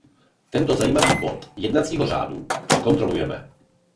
Tento zajímavý bod jednacího řádu překontrolujeme.